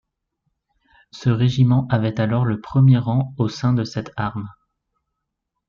Ce régiment avait alors le premier rang au sein de cette arme.